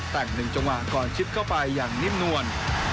แต่ง๑จังหวะก่อนชิดเข้าไปอย่างนิ่มนวล